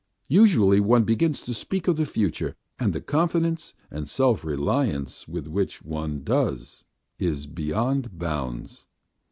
Usually one begins to speak of the future, and the confidence and self reliance with which one does so is beyond bounds.